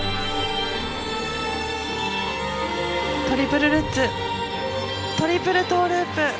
トリプルルッツトリプルトーループ。